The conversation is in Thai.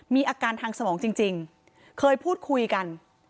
มีอาการทางสมองจริงเคยพูดคุยกัน